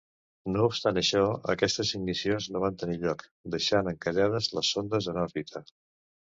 No obstant això, aquestes ignicions no van tenir lloc, deixant encallades les sondes en òrbita.